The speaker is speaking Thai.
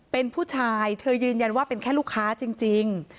เป็นผู้ชายเธอยืนยันว่าเป็นแค่ลูกค้าจริง